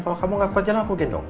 kalau kamu gak ke wajaran aku gendong